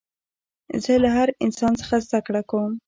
زه له هر انسان څخه زدکړه کوم.